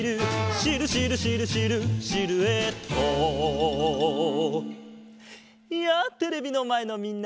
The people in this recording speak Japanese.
「シルシルシルシルシルエット」やあテレビのまえのみんな！